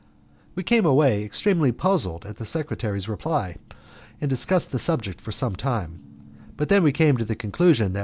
We came away extremely puzzled at the secretary's reply, and discussed the subject for some time, but then we came to the conclusion that M.